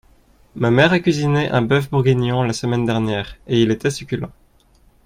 Ma mère a cuisiné un boeuf bourguignon la semaine dernière et il était succulent.